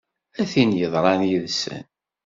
A tin yeḍran yid-sen!